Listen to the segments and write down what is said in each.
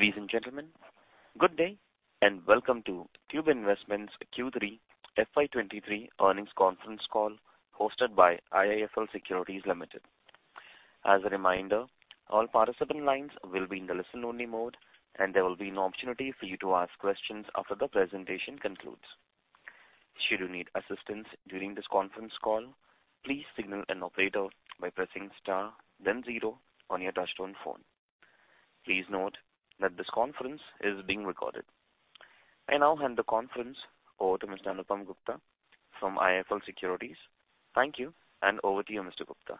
Ladies and gentlemen, good day and welcome to Tube Investments Q3 FY23 earnings conference call hosted by IIFL Securities Limited. As a reminder, all participant lines will be in the listen-only mode, and there will be an opportunity for you to ask questions after the presentation concludes. Should you need assistance during this conference call, please signal an operator by pressing star then zero on your touchtone phone. Please note that this conference is being recorded. I now hand the conference over to Mr. Anupam Gupta from IIFL Securities. Thank you, and over to you, Mr. Gupta.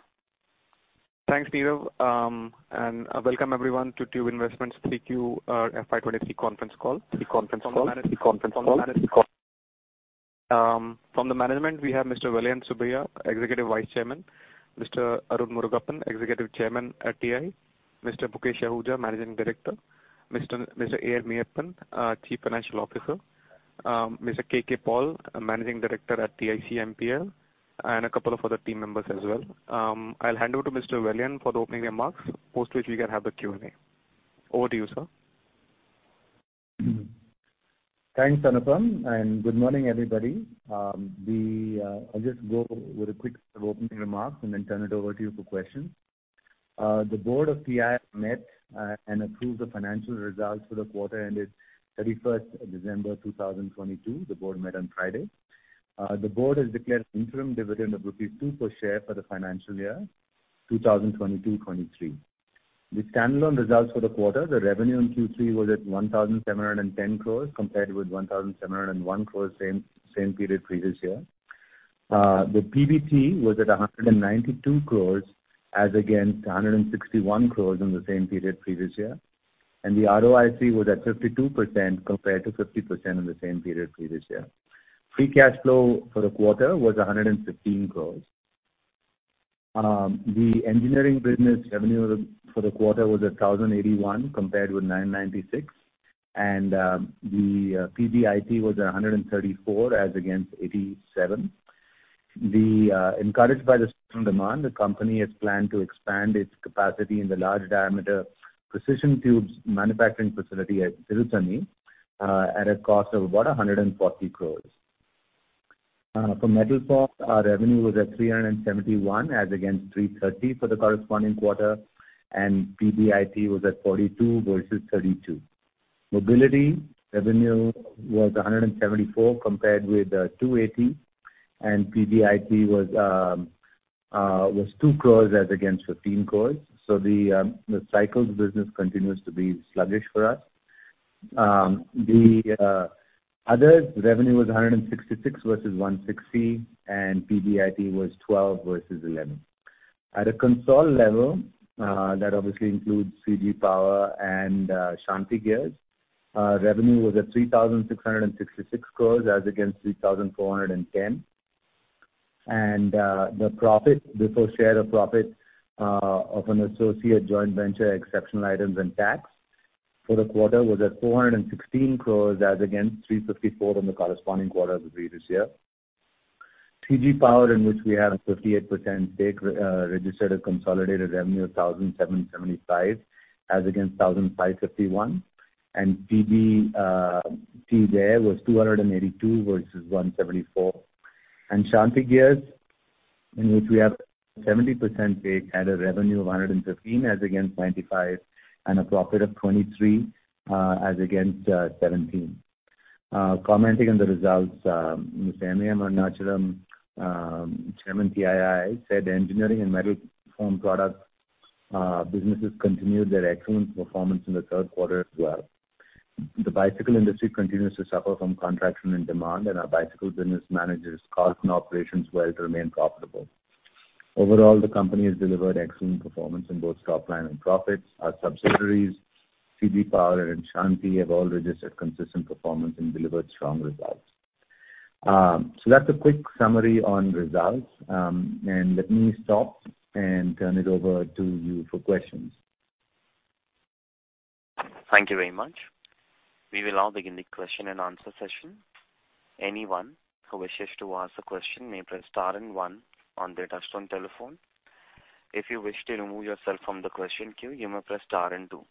Thanks, Nirav. Welcome everyone to Tube Investments 3Q FY 23 conference call. From the management we have Mr. Vellayan Subbiah, Executive Vice Chairman, Mr. M. A. M. Arunachalam, Executive Chairman at TI, Mr. Mukesh Ahuja, Managing Director, Mr. A.N. Meyyappan, Chief Financial Officer, Mr. K.K. Paul, Managing Director at TICMPL, and a couple of other team members as well. I'll hand over to Mr. Vellayan for the opening remarks, post which we can have the Q&A. Over to you, sir. Thanks, Anupam. Good morning, everybody. I'll just go with a quick set of opening remarks and then turn it over to you for questions. The board of TI met and approved the financial results for the quarter ended 31st December 2022. The board met on Friday. The board has declared interim dividend of rupees 2 per share for the financial year 2022/2023. The standalone results for the quarter, the revenue in Q3 was at 1,710 crores compared with 1,701 crores same period previous year. The PBT was at 192 crores as against 161 crores in the same period previous year. The ROIC was at 52% compared to 50% in the same period previous year. Free cash flow for the quarter was 115 crores. The engineering business revenue for the quarter was 1,081 compared with 996, the PBIT was 134 as against 87. Encouraged by the strong demand, the company has planned to expand its capacity in the large diameter precision tubes manufacturing facility at Tiruchirappalli at a cost of about 140 crores. For Metal Form, our revenue was at 371 as against 330 for the corresponding quarter, PBIT was at 42 versus 32. Mobility revenue was 174 compared with 280, PBIT was 2 crores as against 15 crores. The cycles business continues to be sluggish for us. The other revenue was 166 versus 160, and PBIT was 12 versus 11. At a console level, that obviously includes CG Power and Shanthi Gears. Revenue was at 3,666 crores as against 3,410. The profit before share of profit of an associate joint venture, exceptional items and tax for the quarter was at 416 crores as against 354 on the corresponding quarter of the previous year. CG Power, in which we have a 58% stake, registered a consolidated revenue of 1,775 as against 1,551, and PBT there was 282 versus 174. Shanthi Gears, in which we have 70% stake, had a revenue of 115 as against 95 and a profit of 23 as against 17. Commenting on the results, Mr. M.A.M. Arunachalam, Chairman, TII, said engineering and Metal Formed Products businesses continued their excellent performance in the third quarter as well. The bicycle industry continues to suffer from contraction and demand, and our bicycle business manages cost and operations well to remain profitable. Overall, the company has delivered excellent performance in both top line and profits. Our subsidiaries, CG Power and Shanthi, have all registered consistent performance and delivered strong results. That's a quick summary on results. Let me stop and turn it over to you for questions. Thank you very much. We will now begin the question-and-answer session. Anyone who wishes to ask a question may press star and one on their touchtone telephone. If you wish to remove yourself from the question queue, you may press star and two.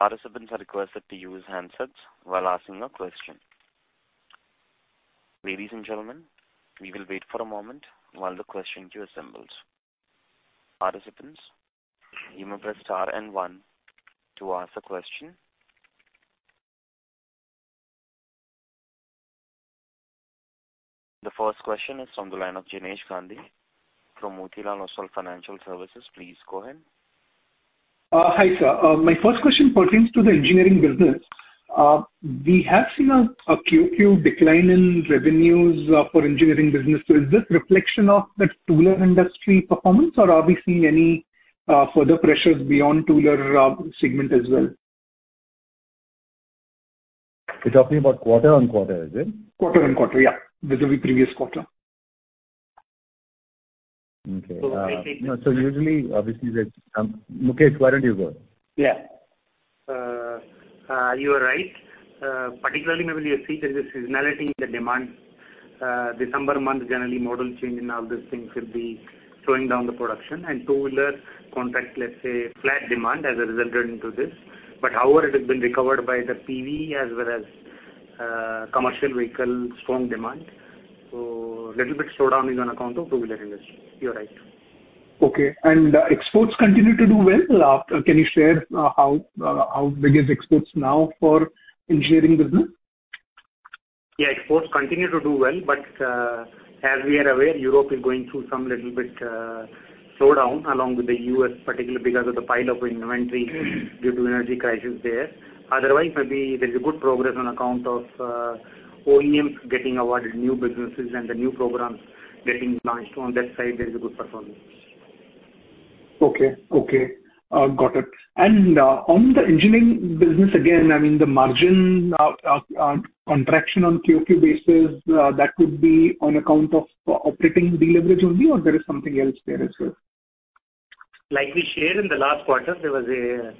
Participants are requested to use handsets while asking a question. Ladies and gentlemen, we will wait for a moment while the question queue assembles. Participants, you may press star and one to ask a question. The first question is from the line of Jinesh Gandhi from Motilal Oswal Financial Services. Please go ahead. Hi, sir. My first question pertains to the engineering business. We have seen a QoQ decline in revenues for engineering business. Is this reflection of the tool and industry performance, or are we seeing any further pressures beyond tool or segment as well? You're talking about quarter-on-quarter, is it? Quarter-on-quarter, yeah. Vis-à-vis previous quarter. Okay. So- Usually obviously the... Mukesh, why don't you go? Yeah. You are right. Particularly maybe you'll see there's a seasonality in the demand. December month, generally model change and all those things could be slowing down the production. Two-wheeler contract, let's say, flat demand has resulted into this. However, it has been recovered by the PV as well as commercial vehicle strong demand. Little bit slowdown is on account of two-wheeler industry. You're right. Okay. Exports continue to do well? Can you share how big is exports now for engineering business? Exports continue to do well, as we are aware, Europe is going through some little bit slowdown along with the U.S. particularly because of the pileup of inventory due to energy crisis there. Otherwise, maybe there is a good progress on account of OEMs getting awarded new businesses and the new programs getting launched. On that side, there is a good performance. Okay. Okay. got it. On the engineering business, again, I mean, the margin contraction on QoQ basis, that could be on account of operating deleverage only or there is something else there as well? We shared in the last quarter, there was a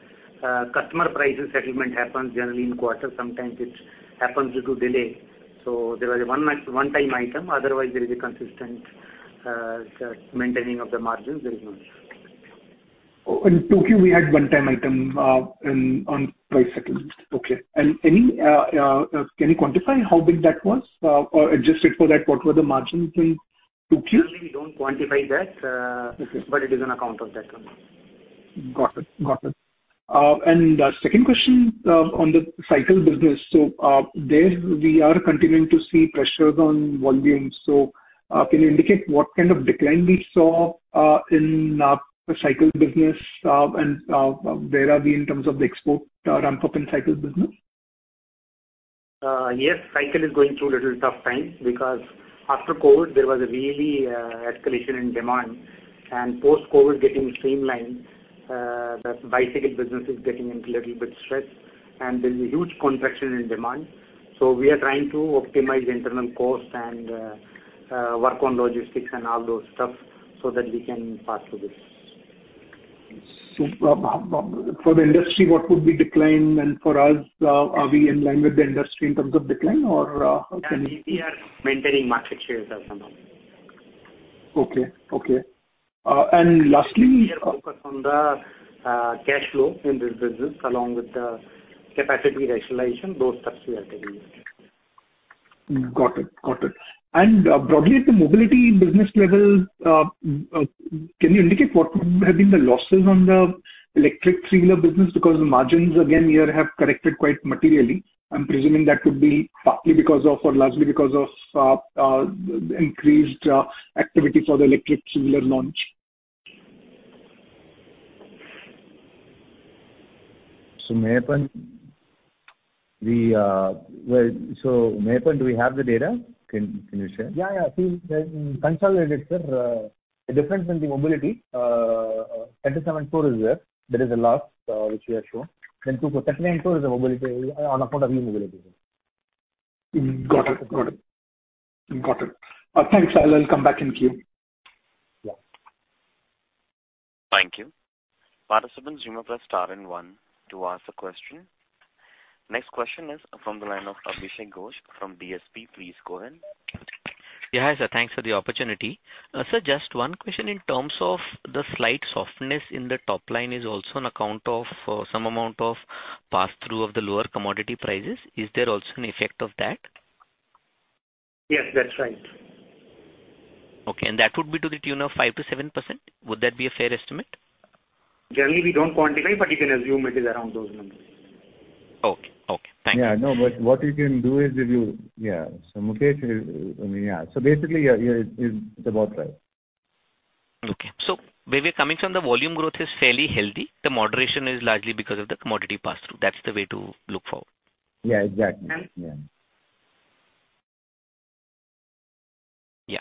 customer prices settlement happens generally in quarter. Sometimes it happens due to delay. There was a one-time item. Otherwise, there is a consistent maintaining of the margins. There is no issue. In 2Q, we had one-time item, in, on price settlement. Any, can you quantify how big that was? Or adjusted for that, what were the margins in 2Q? Normally, we don't quantify that. Okay. It is on account of that only. Got it. Got it. Second question on the cycle business. There we are continuing to see pressures on volumes. Can you indicate what kind of decline we saw in the cycle business? Where are we in terms of the export ramp-up in cycles business? Yes, cycle is going through a little tough time because after COVID, there was a really escalation in demand. Post-COVID getting streamlined, the bicycle business is getting into little bit stress, and there's a huge contraction in demand. We are trying to optimize internal cost and work on logistics and all those stuff so that we can pass through this. for the industry, what would be decline and for us, are we in line with the industry in terms of decline? how can you- No, we are maintaining market shares as of now. Okay. Okay. Lastly. We are focused on the cash flow in this business, along with the capacity rationalization. Those steps we are taking. Got it. Got it. Broadly at the mobility business level, can you indicate what would have been the losses on the electric three-wheeler business? The margins again here have corrected quite materially. I'm presuming that would be partly because of or largely because of increased activity for the electric three-wheeler launch. Meyyappan, do we have the data? Can you share? Yeah, yeah. See, consolidated, sir. The difference in the mobility, 10.74 is there. That is the loss, which we have shown. 2.394 is the mobility, on account of the mobility. Got it. Thanks. I will come back in queue. Yeah. Thank you. Participants, you may press star and 1 to ask a question. Next question is from the line of Abhishek Ghosh from DSP Mutual Fund. Please go ahead. Yeah. Sir, thanks for the opportunity. Sir, just one question in terms of the slight softness in the top line is also on account of, some amount of pass-through of the lower commodity prices. Is there also an effect of that? Yes, that's right. Okay. That would be to the tune of 5%-7%? Would that be a fair estimate? Generally, we don't quantify, but you can assume it is around those numbers. Okay. Okay. Thank you. Yeah. No, but what you can do is. Yeah. Mukesh, yeah. Basically, yeah, it's about right. Okay. Where we're coming from, the volume growth is fairly healthy. The moderation is largely because of the commodity pass-through. That's the way to look forward. Yeah, exactly. Yeah. Yeah.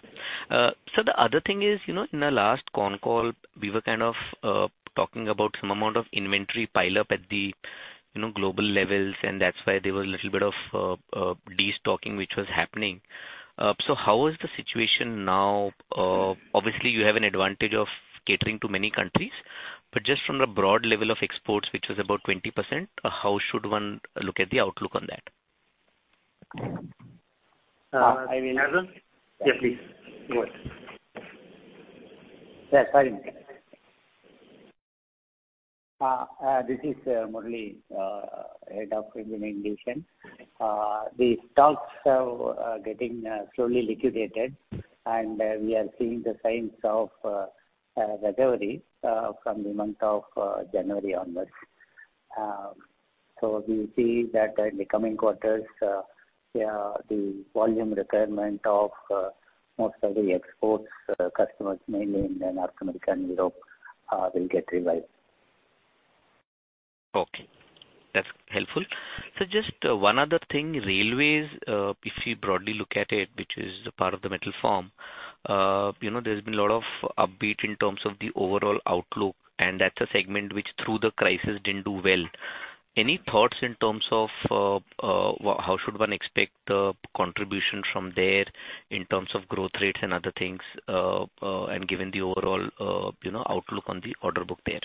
The other thing is, you know, in the last con call, we were kind of talking about some amount of inventory pileup at the, you know, global levels, and that's why there was little bit of de-stocking which was happening. How is the situation now? Obviously you have an advantage of catering to many countries. Just from the broad level of exports, which was about 20%, how should one look at the outlook on that? Uh, I mean- Murali? Yes, please. Go ahead. Sorry, Mukesh. This is Murali, head of engineering division. The stocks are getting slowly liquidated, and we are seeing the signs of recovery from the month of January onwards. We see that in the coming quarters, yeah, the volume requirement of most of the exports customers mainly in North America and Europe will get revived. That's helpful. Just one other thing, railways, if you broadly look at it, which is a part of the metal form, you know, there's been a lot of upbeat in terms of the overall outlook, and that's a segment which through the crisis didn't do well. Any thoughts in terms of how should one expect contribution from there in terms of growth rates and other things, and given the overall, you know, outlook on the order book there?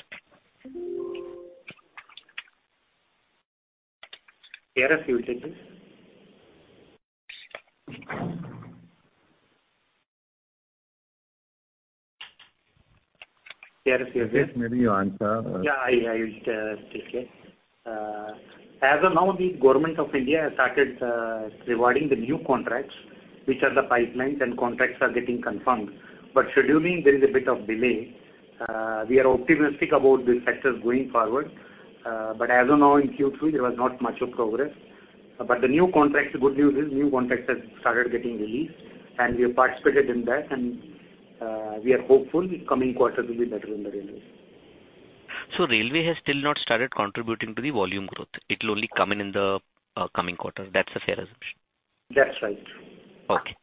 Maybe you answer. Yeah, I will take it. As of now, the Government of India has started rewarding the new contracts, which are the pipelines, and contracts are getting confirmed. Scheduling, there is a bit of delay. We are optimistic about this sector going forward. As of now, in Q3, there was not much of progress. The new contracts, the good news is new contracts have started getting released. We have participated in that, and we are hopeful the coming quarter will be better in the railways. Railway has still not started contributing to the volume growth. It'll only come in in the coming quarter. That's a fair assumption. That's right. Okay.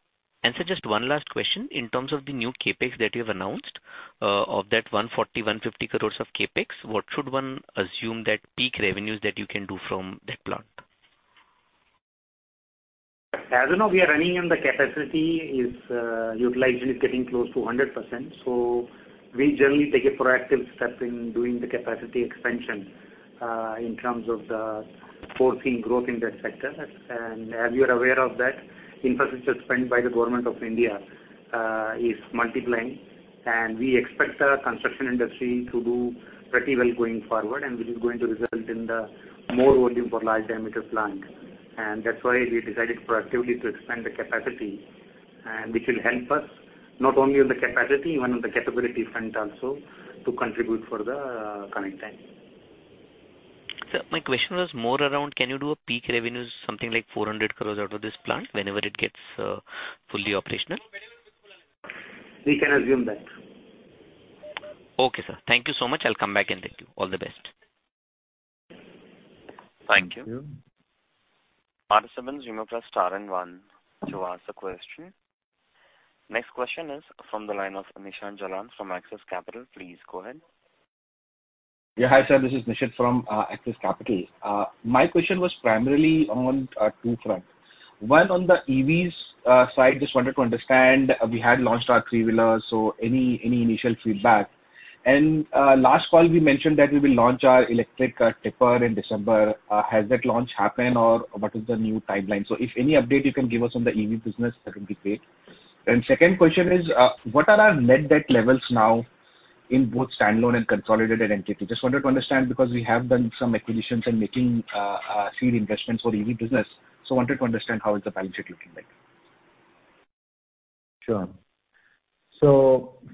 Sir, just one last question. In terms of the new CapEx that you've announced, of that 140-150 crores of CapEx, what should one assume that peak revenues that you can do from that plant? As of now, we are running and the capacity is utilization is getting close to 100%. We generally take a proactive step in doing the capacity expansion in terms of the foreseen growth in that sector. As you are aware of that, infrastructure spent by the Government of India is multiplying. We expect our construction industry to do pretty well going forward, and which is going to result in the more volume for large diameter plant. That's why we decided proactively to expand the capacity, and which will help us not only on the capacity, even on the capability front also, to contribute for the coming time. Sir, my question was more around can you do a peak revenues something like 400 crores out of this plant whenever it gets fully operational? We can assume that. Okay, sir. Thank you so much. I'll come back and thank you. All the best. Thank you. Participants you may press star and one to ask the question. Next question is from the line of Nishit Jalan from Axis Capital. Please go ahead. Yeah, hi sir, this is Nishant from Axis Capital. My question was primarily on two front. One, on the EVs side, just wanted to understand, we had launched our 3-wheeler, so any initial feedback? Last call we mentioned that we will launch our electric tipper in December. Has that launch happened or what is the new timeline? If any update you can give us on the EV business that would be great. Second question is, what are our net debt levels now in both standalone and consolidated entity? Just wanted to understand because we have done some acquisitions and making seed investments for EV business. Wanted to understand how is the balance sheet looking like. Sure.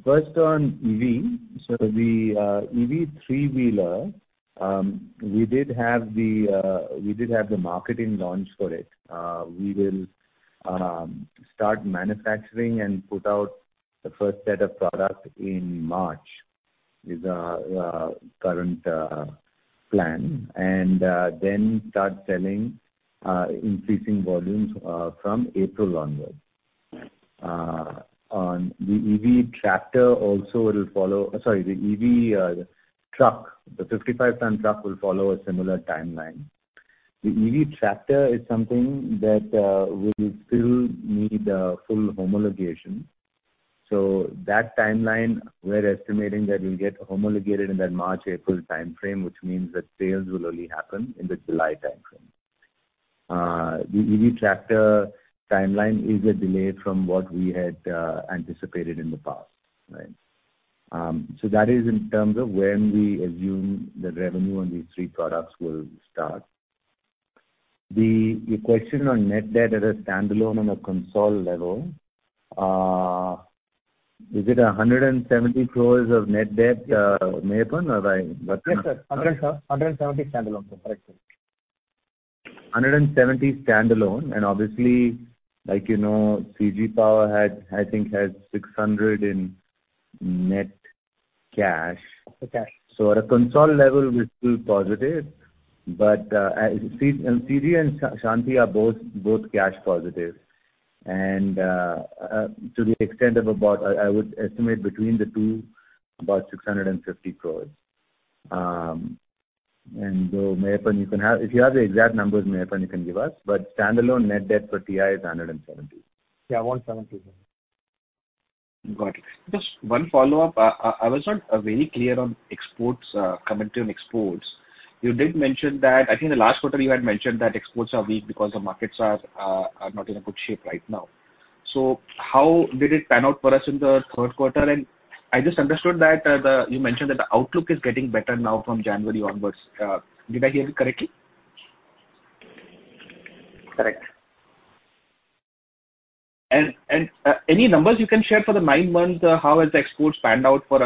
First on EV. The EV three-wheeler, we did have the marketing launch for it. We will start manufacturing and put out the first set of product in March, is our current plan. Then start selling increasing volumes from April onwards. On the EV tractor also, the EV truck, the 55 ton truck will follow a similar timeline. The EV tractor is something that will still need a full homologation. That timeline we're estimating that we'll get homologated in that March-April timeframe, which means that sales will only happen in the July timeframe. The EV tractor timeline is a delay from what we had anticipated in the past. Right? That is in terms of when we assume the revenue on these three products will start. The question on net debt at a standalone on a console level, is it 170 crores of net debt, Meyyappan, what's the... Yes, sir. 170 standalone, sir. Correct, sir. INR 170 standalone. obviously, like you know, CG Power had, I think has 600 in net cash. Okay. At a console level we're still positive, but, as you see, CG and Shanthi are both cash positive. To the extent of about, I would estimate between the two about 650 crores. Meyyappan, if you have the exact numbers, Meyyappan, you can give us. Standalone net debt for TI is 170. Yeah. 170, sir. Got it. Just one follow-up. I was not very clear on exports, comment on exports. You did mention that, I think the last quarter you had mentioned that exports are weak because the markets are not in a good shape right now. How did it pan out for us in the third quarter? I just understood that you mentioned that the outlook is getting better now from January onwards. Did I hear it correctly? Correct. Any numbers you can share for the nine months, how has the exports panned out for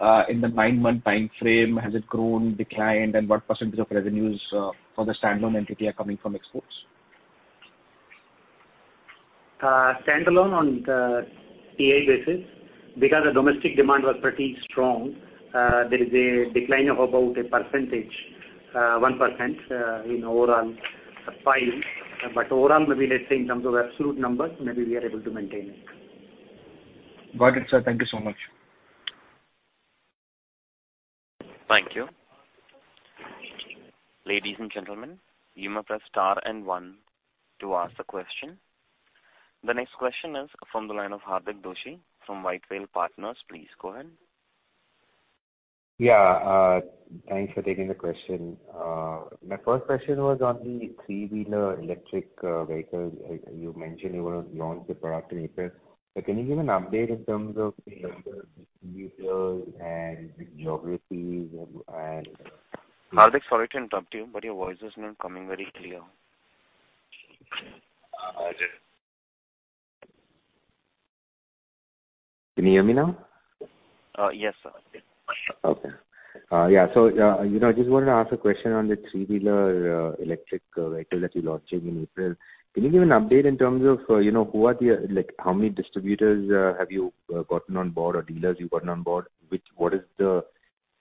us in the nine-month timeframe? Has it grown, declined? And what % of revenues for the standalone entity are coming from exports? Standalone on the TI basis, because the domestic demand was pretty strong, there is a decline of about a percentage, 1%, in overall filing. Overall, maybe let's say in terms of absolute numbers, maybe we are able to maintain it. Got it, sir. Thank you so much. Thank you. Ladies and gentlemen, you may press star and one to ask the question. The next question is from the line of Hardik Doshi from White Whale Partners. Please go ahead. Yeah. Thanks for taking the question. My first question was on the three-wheeler electric vehicles. Like you mentioned you will launch the product in April. Can you give an update in terms of distributors and the geographies and- Hardik, sorry to interrupt you, but your voice is not coming very clear. Okay. Can you hear me now? Yes, sir. I can. Yeah, you know, I just wanted to ask a question on the three-wheeler electric vehicle that you're launching in April. Can you give an update in terms of, you know, how many distributors have you gotten on board or dealers you've gotten on board? What is the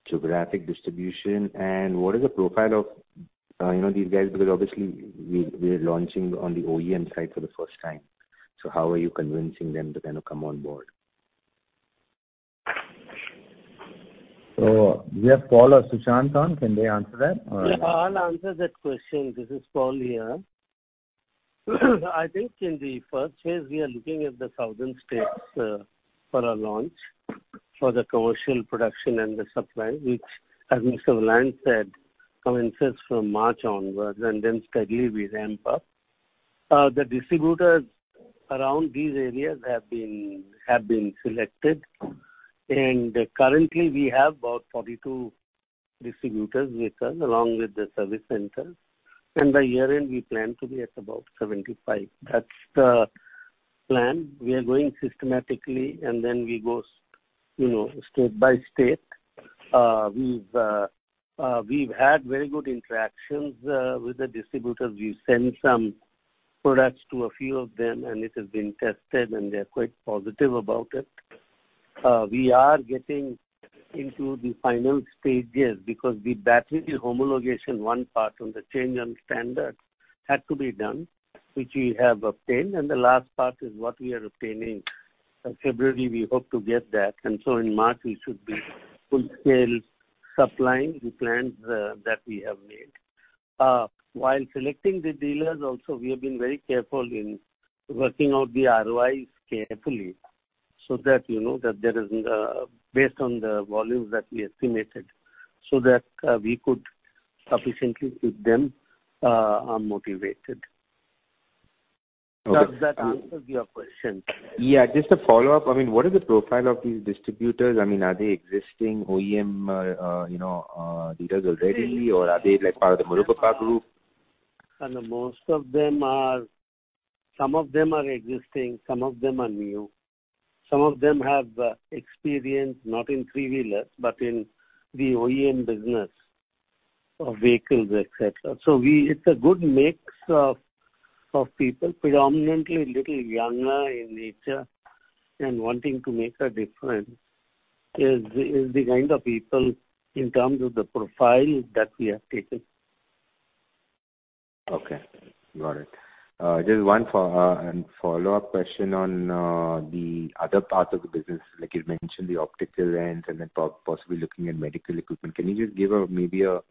geographic distribution and what is the profile of, you know, these guys? Obviously we're launching on the OEM side for the first time. How are you convincing them to kind of come on board? We have Paul or Sushant on, can they answer that. Yeah, I'll answer that question. This is Paul here. I think in the first phase we are looking at the southern states for our launch, for the commercial production and the supply, which as Mr. Lal said, commences from March onwards and then steadily we ramp up. The distributors around these areas have been selected. Currently we have about 42 distributors with us along with the service centers. By year-end we plan to be at about 75. That's the plan. We are going systematically and then we go you know, state by state. We've had very good interactions with the distributors. We've sent some products to a few of them and it has been tested and they are quite positive about it. We are getting into the final stages because the battery homologation, 1 part on the change on standard had to be done, which we have obtained, and the last part is what we are obtaining. In February we hope to get that, in March we should be full scale supplying the plans that we have made. While selecting the dealers also, we have been very careful in working out the ROIs carefully so that, you know, that there is based on the volumes that we estimated, we could sufficiently keep them motivated. Okay. Does that answer your question? Just a follow-up. I mean, what is the profile of these distributors? I mean, are they existing OEM, you know, dealers already or are they like part of the Morarka Group? Most of them are existing, some of them are new. Some of them have experience, not in three-wheelers, but in the OEM business of vehicles, et cetera. It's a good mix of people, predominantly little younger in nature and wanting to make a difference is the kind of people in terms of the profile that we have taken. Okay. Got it. Just one follow-up question on the other part of the business. Like you mentioned the optical lens and then possibly looking at medical equipment, can you just give a, maybe a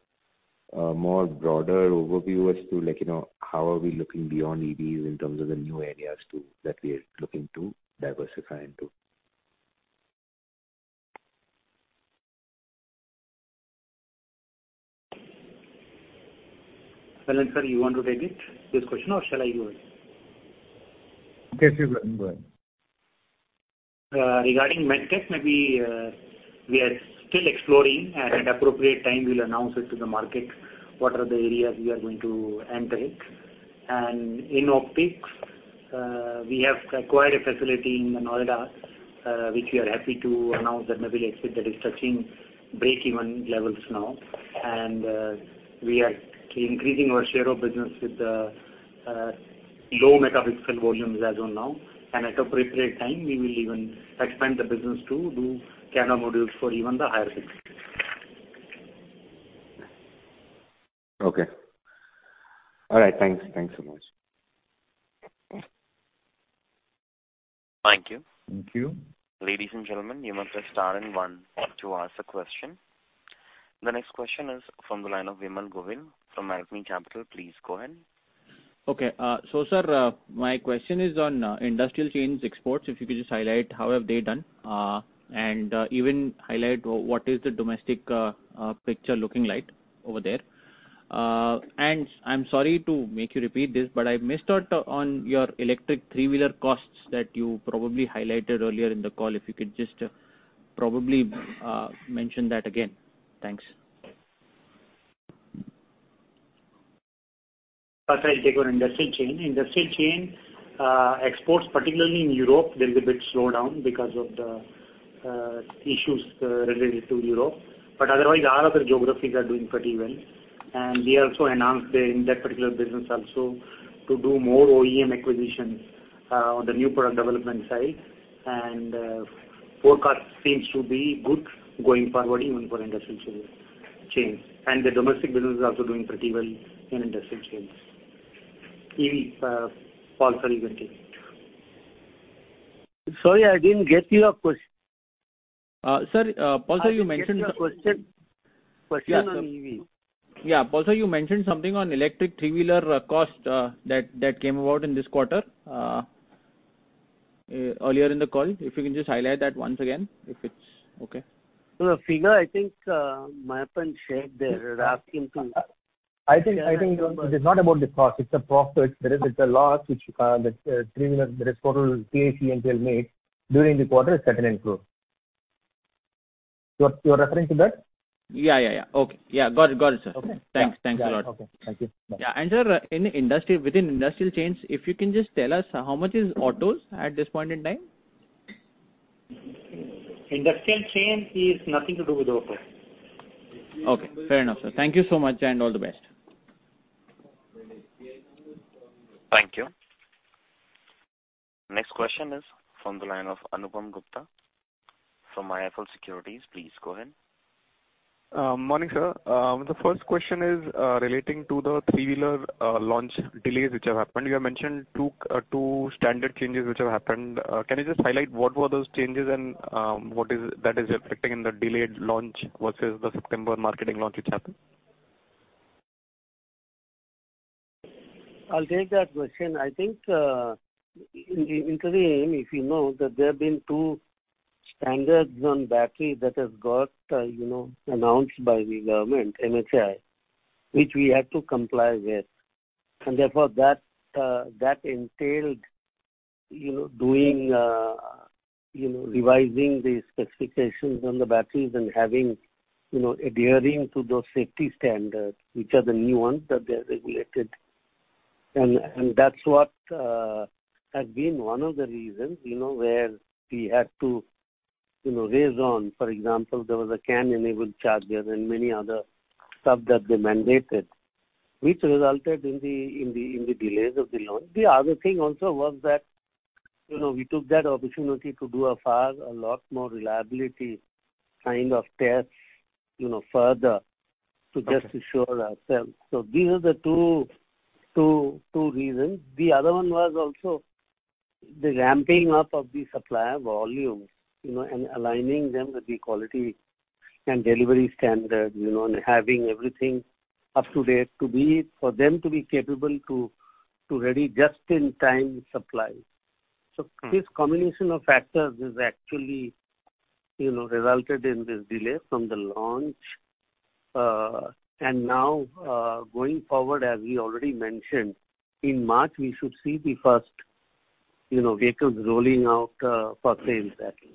more broader overview as to like, you know, how are we looking beyond EVs in terms of the new areas that we are looking to diversify into? Lal sir, you want to take it, this question or shall I go ahead? Okay. Please go ahead. Regarding MedTech, maybe, we are still exploring and at appropriate time we'll announce it to the market, what are the areas we are going to enter it. In optics, we have acquired a facility in Noida, which we are happy to announce that maybe exit that is touching breakeven levels now. We are increasing our share of business with, low metaphysical volumes as of now. At appropriate time we will even expand the business to do camera modules for even the higher segment. Okay. All right. Thanks. Thanks so much. Thank you. Thank you. Ladies and gentlemen, you must press star and 1 to ask a question. The next question is from the line of Vimal Govind from Magna Capital. Please go ahead. Okay. Sir, my question is on industrial chains exports. If you could just highlight how have they done. Even highlight what is the domestic picture looking like over there. I'm sorry to make you repeat this, but I missed out on your electric three-wheeler costs that you probably highlighted earlier in the call. If you could just probably mention that again. Thanks. First I'll take on industrial chain. Industrial chain, exports, particularly in Europe, there's a bit slowdown because of the issues related to Europe. Otherwise all other geographies are doing pretty well. We also enhanced in that particular business also to do more OEM acquisitions on the new product development side. Forecast seems to be good going forward even for industrial chains. The domestic business is also doing pretty well in industrial chains. EV, Paul sir, you can take it. Sorry, I didn't get your. Sir, Paul Sir, you mentioned. I didn't get your question. Question on EV. Yeah. Paul sir, you mentioned something on electric three-wheeler cost that came about in this quarter. Earlier in the call, if you can just highlight that once again, if it's okay? The figure, I think, Meyyappan shared their asking price. I think it's not about the cost, it's the profit. There is, it's a loss which, the three-wheeler, that is total TICMPL made during the quarter, certain improved. You are referring to that? Yeah, yeah. Okay. Yeah. Got it, got it, sir. Okay. Thanks. Thanks a lot. Okay. Thank you. Bye. Yeah. Sir, in industry, within industrial chains, if you can just tell us how much is autos at this point in time? Industrial chain is nothing to do with autos. Okay. Fair enough, sir. Thank you so much, and all the best. Thank you. Next question is from the line of Anupam Gupta from IIFL Securities. Please go ahead. Morning, sir. The first question is relating to the three-wheeler launch delays which have happened. You have mentioned 2 standard changes which have happened. Can you just highlight what were those changes and what is that is affecting in the delayed launch versus the September marketing launch which happened? I'll take that question. I think, in the interim, if you know that there have been two standards on battery that has got, you know, announced by the government, MHI, which we had to comply with. Therefore, that entailed, you know, doing, you know, revising the specifications on the batteries and having, you know, adhering to those safety standards, which are the new ones that they're regulated. That's what has been one of the reasons, you know, where we had to, you know, raise on, for example, there was a CAN-enabled charger and many other stuff that they mandated, which resulted in the delays of the launch. The other thing also was that, you know, we took that opportunity to do a far, a lot more reliability kind of test, you know, further to just assure ourselves. These are the two reasons. The other one was also the ramping up of the supply volume, you know, and aligning them with the quality and delivery standard, you know, and having everything up to date for them to be capable to ready just-in-time supply. This combination of factors has actually, you know, resulted in this delay from the launch. Now, going forward, as we already mentioned, in March, we should see the first, you know, vehicles rolling out for sales actually.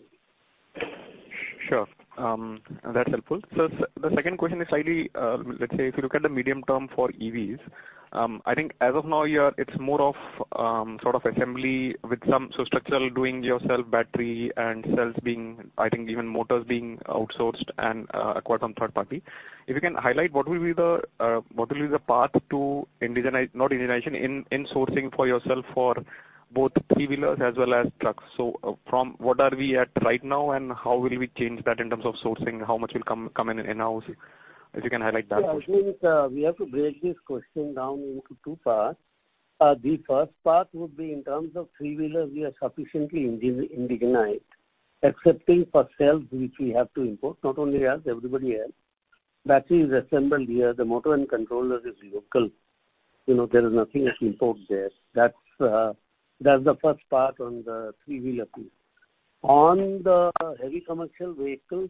Sure. That's helpful. The second question is slightly, let's say if you look at the medium term for EVs, I think as of now, it's more of sort of assembly with some... structural doing yourself, battery and cells being, I think even motors being outsourced and acquired from third party. If you can highlight what will be the path to not indigenization, insourcing for yourself for both 3-wheelers as well as trucks. From what are we at right now and how will we change that in terms of sourcing? How much will come in-house? If you can highlight that for us. Sure. I think we have to break this question down into two parts. The first part would be in terms of 3-wheelers, we are sufficiently indigenized, excepting for cells, which we have to import, not only us, everybody else. Battery is assembled here, the motor and controller is local. You know, there is nothing to import there. That's the first part on the 3-wheeler piece. On the heavy commercial vehicles,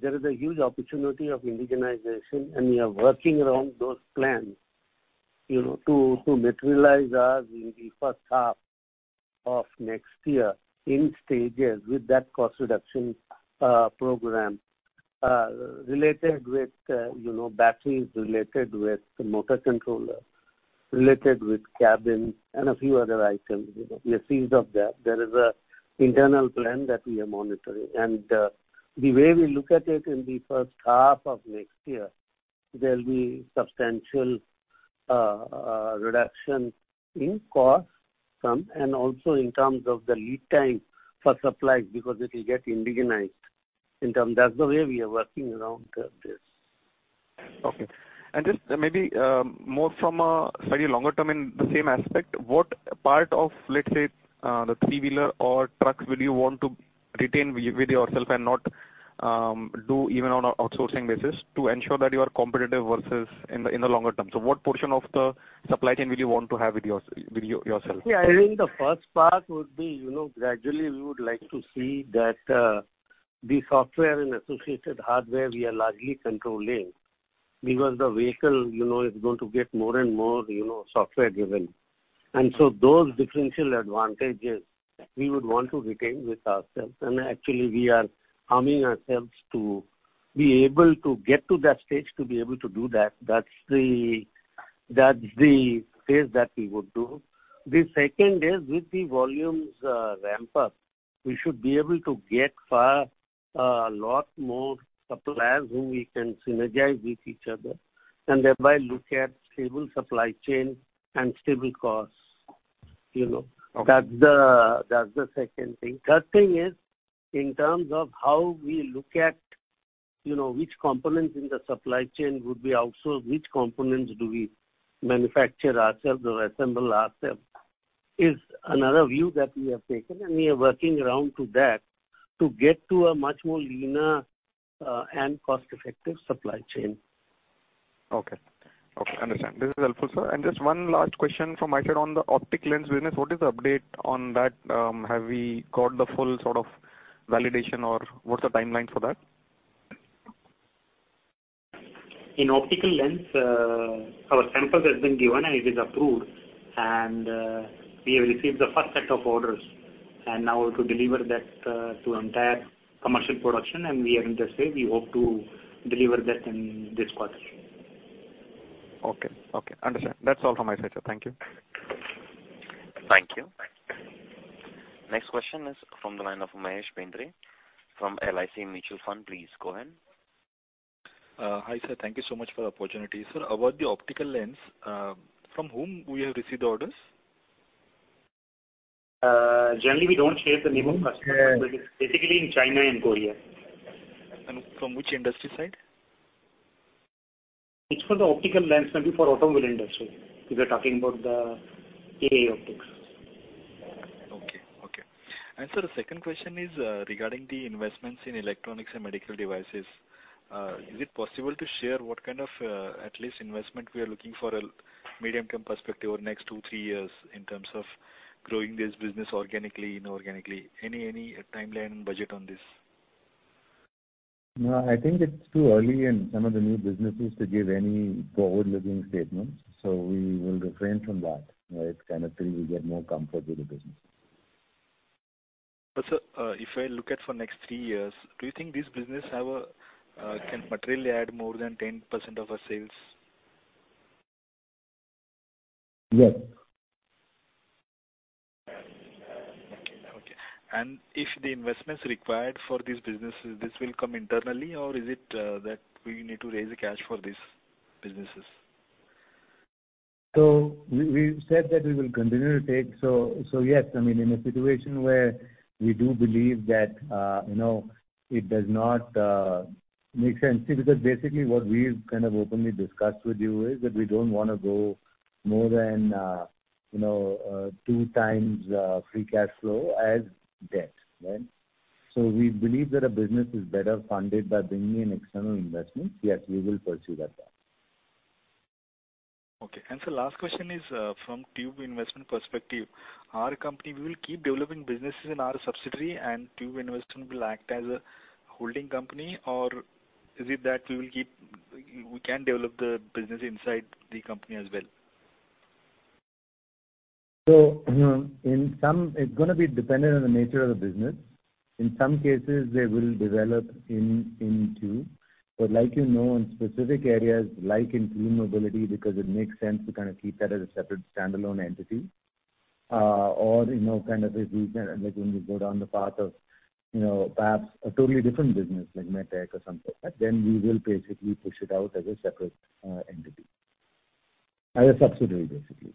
there is a huge opportunity of indigenization, and we are working around those plans, you know, to materialize as in the first half of next year in stages with that cost reduction program related with, you know, batteries related with motor controller, related with cabin and a few other items. You know, we are seized of that. There is a internal plan that we are monitoring. The way we look at it in the first half of next year, there'll be substantial reduction in cost some and also in terms of the lead time for supplies because it will get indigenized in term. That's the way we are working around this. Okay. Just maybe, more from a slightly longer term in the same aspect, what part of, let's say, the 3-wheeler or trucks will you want to retain with yourself and not do even on a outsourcing basis to ensure that you are competitive versus in the longer term? What portion of the supply chain will you want to have with yourself? Yeah. I think the first part would be, you know, gradually we would like to see that the software and associated hardware we are largely controlling because the vehicle, you know, is going to get more and more, you know, software driven. Those differential advantages we would want to retain with ourselves. Actually we are arming ourselves to be able to get to that stage to be able to do that. That's the, that's the phase that we would do. The second is with the volumes, ramp up, we should be able to get far, a lot more suppliers whom we can synergize with each other and thereby look at stable supply chain and stable costs, you know. Okay. That's the second thing. Third thing is in terms of how we look at, you know, which components in the supply chain would we outsource, which components do we manufacture ourselves or assemble ourselves is another view that we have taken, and we are working around to that to get to a much more leaner and cost-effective supply chain. Okay. Okay, understand. This is helpful, sir. Just one last question from my side on the optic lens business. What is the update on that? Have we got the full sort of validation or what's the timeline for that? In optical lens, our sample has been given and it is approved, and we have received the first set of orders. Now to deliver that, to entire commercial production, and we are in the stage, we hope to deliver that in this quarter. Okay. Okay, understand. That's all from my side, sir. Thank you. Thank you. Next question is from the line of Mahesh Bendre from LIC Mutual Fund. Please go ahead. Hi, sir. Thank you so much for the opportunity. Sir, about the optical lens, from whom we have received the orders? Generally, we don't share the name of customer. Yeah. It's basically in China and Korea. From which industry side? It's for the optical lens, maybe for automobile industry. We're talking about the AA Optics. Okay. Okay. Sir, the second question is regarding the investments in electronics and medical devices. Is it possible to share what kind of, at least investment we are looking for a medium-term perspective over next 2, 3 years in terms of growing this business organically, inorganically? Any, any timeline budget on this? No, I think it's too early in some of the new businesses to give any forward-looking statements, so we will refrain from that, right? Kind of till we get more comfort with the business. sir, if I look at for next 3 years, do you think this business can materially add more than 10% of our sales? Yes. Okay. Okay. If the investments required for these businesses, this will come internally or is it that we need to raise the cash for these businesses? We said that we will continue to take... Yes, I mean, in a situation where we do believe that, you know, it does not make sense. Because basically what we've kind of openly discussed with you is that we don't wanna go more than, you know, 2 times free cash flow as debt, right? We believe that a business is better funded by bringing in external investments. Yes, we will pursue that path. Okay. Sir, last question is, from Tube Investments perspective. Our company will keep developing businesses in our subsidiary and Tube Investments will act as a holding company or is it that we can develop the business inside the company as well? In some it's gonna be dependent on the nature of the business. In some cases, they will develop in TUBE. Like you know, in specific areas like in clean mobility, because it makes sense to kind of keep that as a separate standalone entity, or, you know, kind of a reason like when we go down the path of, you know, perhaps a totally different business like MedTech or something like that, then we will basically push it out as a separate entity. As a subsidiary, basically.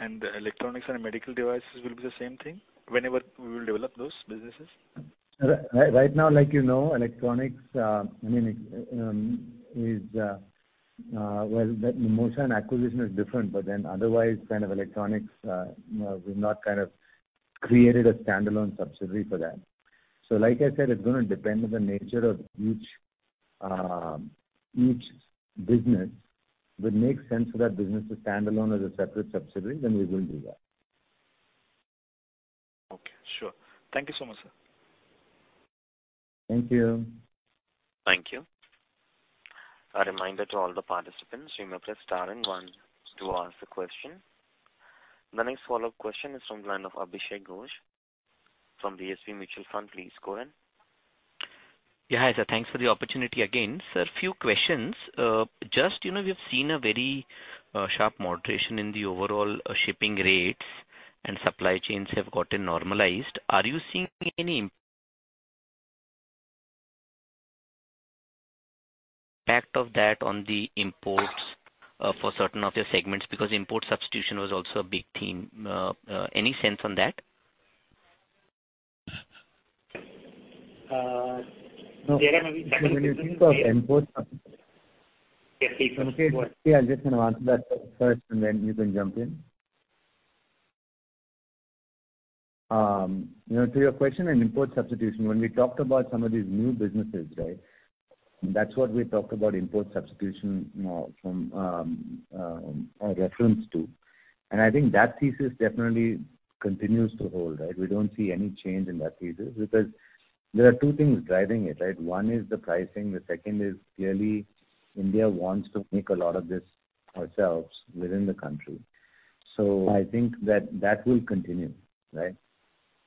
Electronics and medical devices will be the same thing whenever we will develop those businesses? Right now, like, you know, electronics, I mean, is, well, Moshine and acquisition is different. Otherwise, kind of electronics, we've not kind of created a standalone subsidiary for that. Like I said, it's gonna depend on the nature of each business. If it makes sense for that business to stand alone as a separate subsidiary, then we will do that. Okay. Sure. Thank you so much, sir. Thank you. Thank you. A reminder to all the participants, you may press star and one to ask the question. The next follow-up question is from the line of Abhishek Ghosh from DSP Mutual Fund. Please go ahead. Yeah. Hi, sir. Thanks for the opportunity again. Sir, few questions. Just, you know, we have seen a very sharp moderation in the overall shipping rates and supply chains have gotten normalized. Are you seeing any impact of that on the imports for certain of your segments? Because import substitution was also a big theme. Any sense on that? There have been. When you think of import substitution. Yes, please. Okay. I'll just kind of answer that first, and then you can jump in. You know, to your question on import substitution, when we talked about some of these new businesses, right? That's what we talked about import substitution from a reference to. I think that thesis definitely continues to hold, right? We don't see any change in that thesis because there are two things driving it, right? One is the pricing, the second is clearly India wants to make a lot of this ourselves within the country. I think that that will continue, right?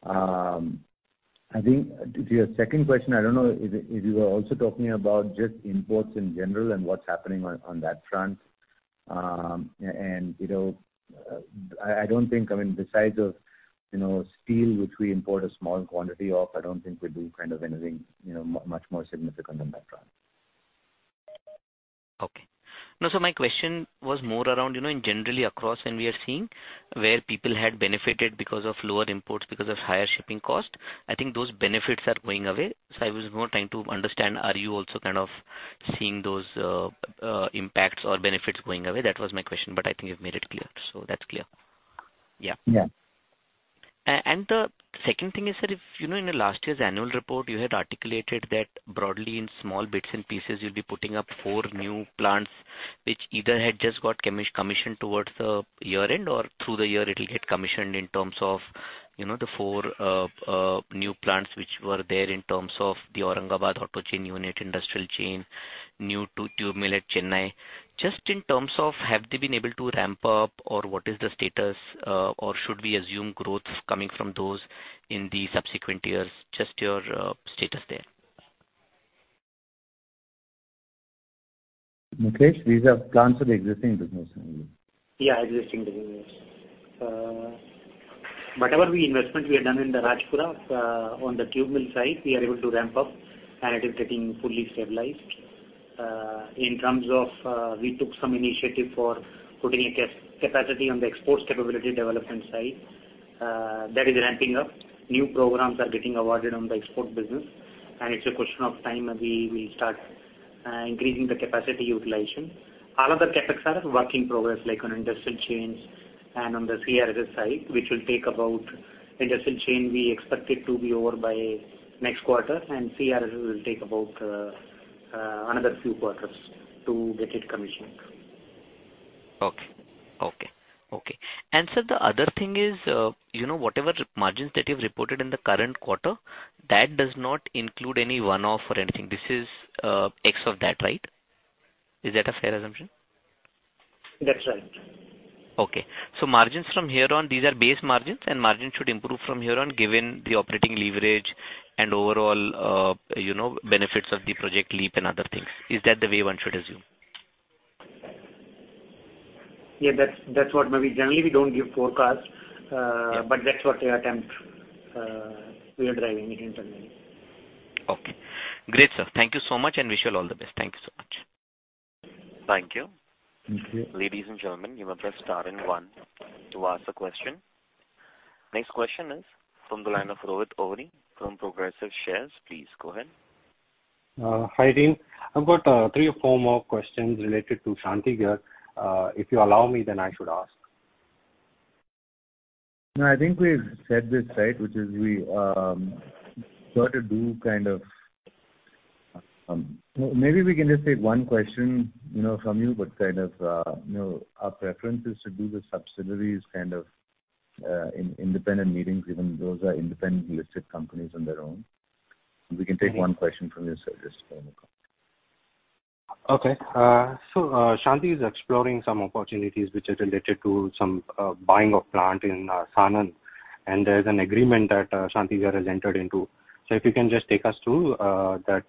I think to your second question, I don't know if you are also talking about just imports in general and what's happening on that front. You know, I don't think, I mean, besides of, you know, steel, which we import a small quantity of, I don't think we do kind of anything, you know, much more significant on that front. Okay. No, my question was more around, you know, in generally across, and we are seeing where people had benefited because of lower imports, because of higher shipping cost. I think those benefits are going away. I was more trying to understand, are you also kind of seeing those impacts or benefits going away? That was my question, but I think you've made it clear. That's clear. Yeah. Yeah. The second thing is that if, you know, in the last year's annual report, you had articulated that broadly in small bits and pieces, you'll be putting up four new plants which either had just got commissioned towards the year-end or through the year it'll get commissioned in terms of, you know, the four new plants which were there in terms of the Aurangabad auto chain unit, industrial chain, new tube mill at Chennai. Just in terms of have they been able to ramp up or what is the status, or should we assume growth coming from those in the subsequent years? Just your status there? Mukesh, these are plants with existing business only. Yeah, existing business. Whatever the investment we have done in the Rajpura, on the tube mill side, we are able to ramp up and it is getting fully stabilized. In terms of, we took some initiative for putting a capacity on the exports capability development side. That is ramping up. New programs are getting awarded on the export business, and it's a question of time and we will start increasing the capacity utilization. All of the CapEx are work in progress, like on Industrial Chains and on the CRS side. Industrial Chain, we expect it to be over by next quarter, and CRS will take about another few quarters to get it commissioned. Okay. Okay. Okay. Sir, the other thing is, you know, whatever margins that you've reported in the current quarter, that does not include any one-off or anything. This is X of that, right? Is that a fair assumption? That's right. Okay. Margins from here on, these are base margins, and margins should improve from here on given the operating leverage and overall, you know, benefits of the Project Leap and other things. Is that the way one should assume? Yeah. That's what maybe. Generally, we don't give forecast. Yeah. That's what we attempt, we are driving internally. Okay. Great, sir. Thank you so much. Wish you all the best. Thank you so much. Thank you. Thank you. Ladies and gentlemen, you may press star and one to ask a question. Next question is from the line of Rohit Ohri from Progressive Shares. Please go ahead. Hi, Dean. I've got three or four more questions related to Shanthi Gears. If you allow me, I should ask. I think we've said this, right, which is we. Maybe we can just take one question, you know, from you, but kind of, you know, our preference is to do the subsidiaries kind of, in independent meetings, even those are independent listed companies on their own. We can take one question from you, sir, just to overcome. Okay. Shanthi is exploring some opportunities which are related to some buying of plant in Sanand, and there's an agreement that Shanthi Gears has entered into. If you can just take us through that,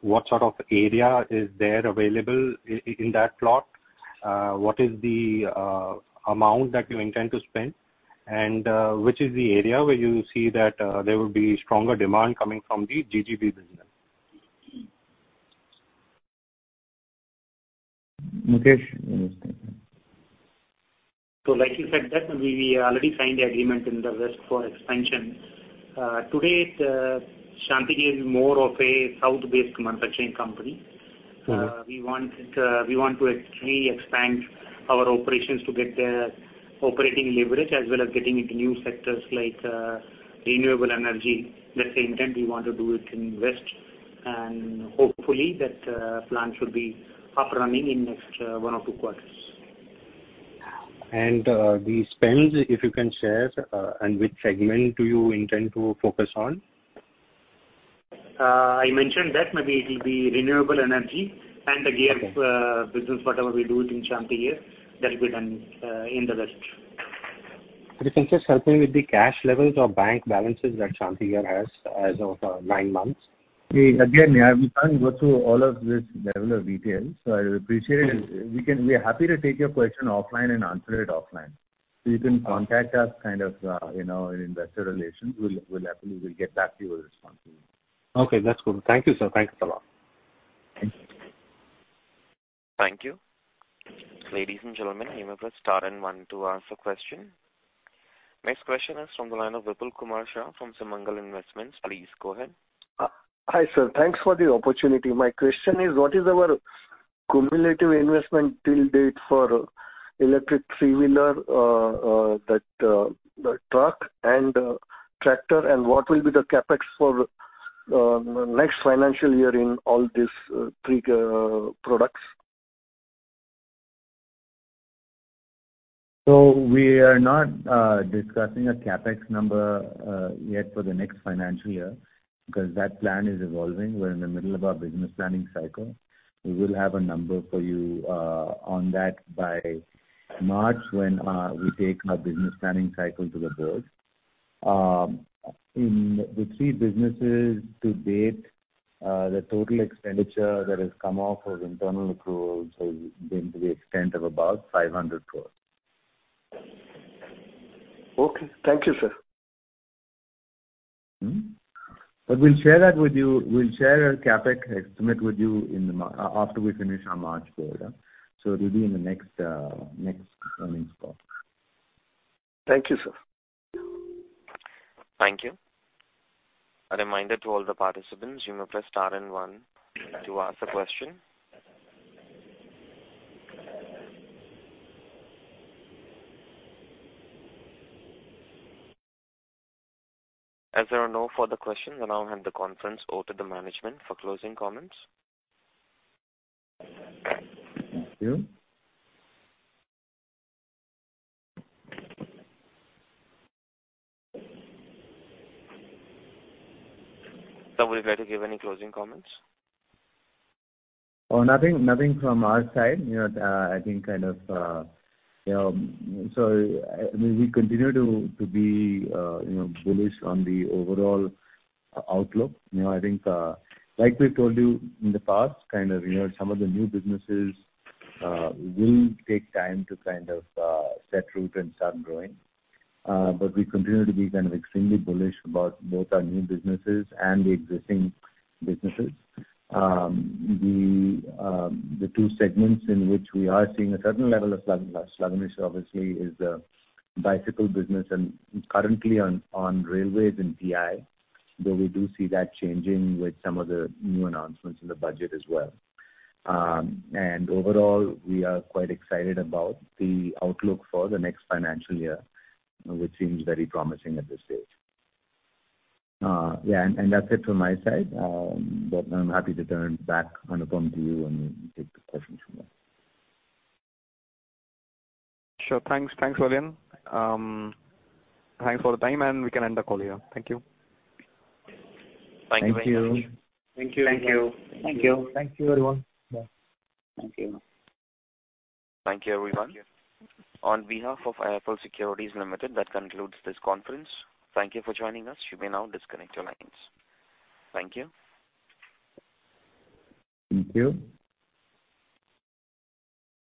what sort of area is there available in that plot? What is the amount that you intend to spend? Which is the area where you see that there will be stronger demand coming from the GGV business? Mukesh, do you want to take that? Like you said that we already signed the agreement in the west for expansion. Today, Shanthi Gears is more of a south-based manufacturing company. Mm-hmm. We want to actually expand our operations to get the operating leverage as well as getting into new sectors like, renewable energy. That's the intent. We want to do it in west, and hopefully that plant should be up running in next, one or two quarters. The spends, if you can share, and which segment do you intend to focus on? I mentioned that maybe it'll be renewable energy and the gears. Okay. business, whatever we do it in Shanthi Gears, that'll be done in the west. Could you just help me with the cash levels or bank balances that Shanthi Gears has as of nine months? We can't go through all of this level of detail, so I'll appreciate it. We are happy to take your question offline and answer it offline. You can contact us kind of, you know, in Investor Relations. We'll happily get back to you with response. Okay, that's cool. Thank you, sir. Thanks a lot. Thank you. Thank you. Ladies and gentlemen, you may press star and one to ask a question. Next question is from the line of Vipul Kumar Shah from Mangal Investments. Please go ahead. Hi, sir. Thanks for the opportunity. My question is what is our cumulative investment till date for electric three-wheeler, that, truck and tractor, and what will be the CapEx for next financial year in all these three products? We are not discussing a CapEx number yet for the next financial year because that plan is evolving. We're in the middle of our business planning cycle. We will have a number for you on that by March when we take our business planning cycle to the board. In the three businesses to date, the total expenditure that has come off as internal approvals has been to the extent of about 500 crores. Okay. Thank you, sir. We'll share that with you. We'll share our CapEx estimate with you after we finish our March quarter, it'll be in the next earnings call. Thank you, sir. Thank you. A reminder to all the participants, you may press star and one to ask a question. As there are no further questions, we now hand the conference over to the management for closing comments. Thank you. Someone would like to give any closing comments? Oh, nothing from our side. You know, I think kind of, you know. We continue to be, you know, bullish on the overall outlook. You know, I think, like we told you in the past, kind of, you know, some of the new businesses will take time to kind of, set root and start growing. We continue to be kind of extremely bullish about both our new businesses and the existing businesses. The two segments in which we are seeing a certain level of slugging, obviously, is the bicycle business and currently on railways and PI, but we do see that changing with some of the new announcements in the budget as well. Overall, we are quite excited about the outlook for the next financial year, which seems very promising at this stage. That's it from my side. I'm happy to turn back, Anupam, to you and take the questions from there. Sure. Thanks. Thanks, Vellayan. Thanks for the time, we can end the call here. Thank you. Thank you very much. Thank you. Thank you. Thank you. Thank you, everyone. Bye. Thank you. Thank you, everyone. On behalf of IIFL Securities Limited, that concludes this conference. Thank you for joining us. You may now disconnect your lines. Thank you. Thank you.